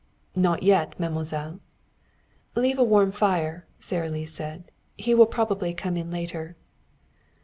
"Not yet, mademoiselle." "Leave a warm fire," Sara Lee said. "He will probably come in later."